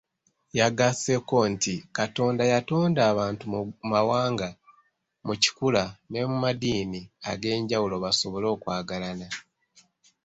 Yagasseeko nti Katonda yatonda abantu mu mawanga, mu kikula, ne mu maddiini ag'enjawulo basobole okwagalana.